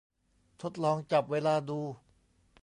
ทดลองจับเวลาดู